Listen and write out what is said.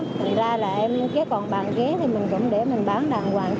thì ra là em ghé còn bàn ghé thì mình cũng để mình bán đàng hoàng